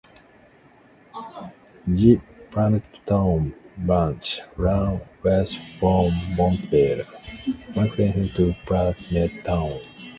The Palmertown Branch ran west from Montville, Connecticut to Palmertown.